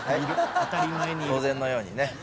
当然のようにね。